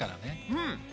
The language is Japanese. うん！